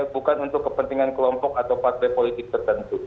bukan untuk kepentingan kelompok atau partai politik tertentu